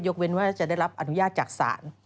ยกเว้นจะได้รับอนุญาตจากสาร